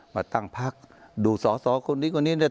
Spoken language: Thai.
มาตั้งภักษ์ดูดสอสอคนนี้คนนี้